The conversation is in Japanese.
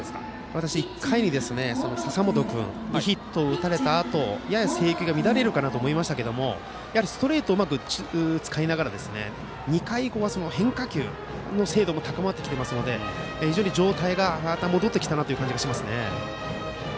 私、１回に笹本君にヒットを打たれたあとやや制球が乱れるかなと思いましたけどストレートをうまく使いながら２回以降は変化球の精度も高まってきていますので非常に状態がまた戻ってきたという感じがしますね。